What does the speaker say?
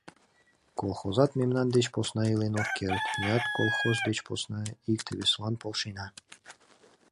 — Колхозат мемнан деч посна илен ок керт, меат — колхоз деч посна: икте-весылан полшена.